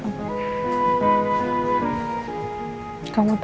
kamu tau kan aku gak suka